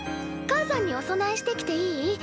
母さんにお供えしてきていい？